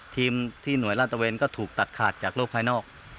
ทีมที่หน่วยราชเวนก็ถูกตัดขาดจากโลกภายนอก